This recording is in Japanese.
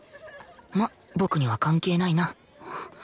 まあ僕には関係ないな